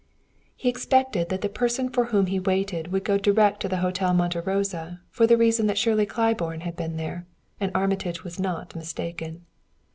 He expected that the person for whom he waited would go direct to the Hotel Monte Rosa for the reason that Shirley Claiborne had been there; and Armitage was not mistaken.